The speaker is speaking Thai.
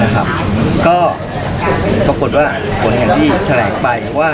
ก็ปรากฎว่าผลเป็นเวลาที่แถละไปว่า